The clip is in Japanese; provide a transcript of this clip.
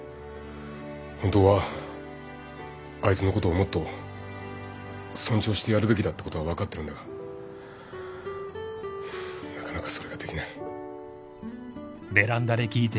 本当はあいつのことをもっと尊重してやるべきだってことは分かってるんだがなかなかそれができない。